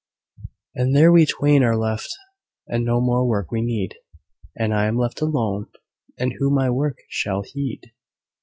And there we twain are left, and no more work we need: "And I am left alone, and who my work shall heed?"